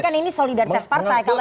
kan ini solidaritas partai